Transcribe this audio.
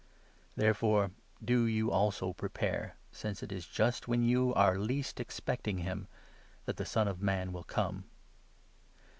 Therefore, do you 44 also prepare, since it is just when you are least expecting him that the Son of Man will come.